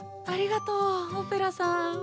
ありがとうオペラさん。